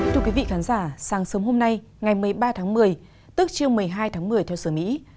thưa quý vị khán giả sáng sớm hôm nay ngày một mươi ba tháng một mươi tức chiều một mươi hai tháng một mươi theo sở mỹ